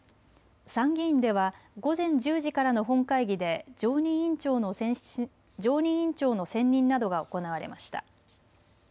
参議院では午前１０時からの本会議で常任委員長の選任などが行われました。